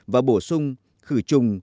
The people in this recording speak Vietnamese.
và bổ sung khử trùng